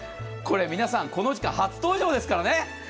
この時間初登場ですからね。